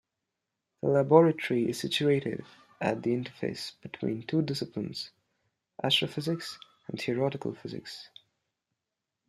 The laboratory is situated at the interface between two disciplines, astrophysics and theoretical physics.